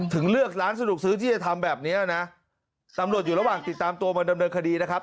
เลือกร้านสะดวกซื้อที่จะทำแบบเนี้ยนะตำรวจอยู่ระหว่างติดตามตัวมาดำเนินคดีนะครับ